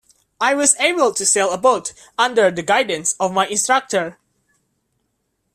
I was able to sail a boat, under the guidance of my instructor.